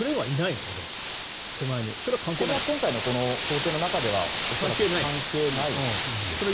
今回の工程の中では恐らく関係ないですね。